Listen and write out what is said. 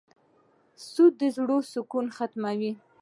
سود د زړه سکون ختموي.